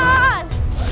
gak ada apa apa